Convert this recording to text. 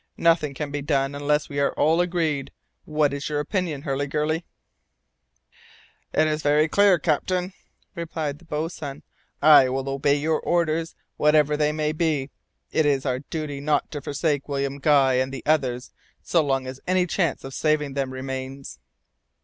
Nothing can be done unless we are all agreed. What is your opinion, Hurliguerly?" "It is very clear, captain," replied the boatswain. "I will obey your orders, whatever they may be! It is our duty not to forsake William Guy and the others so long as any chance of saving them remains."